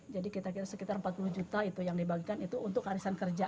jadi kita kira sekitar empat puluh juta itu yang dibagikan itu untuk arisan kerja